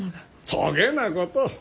そげなこと！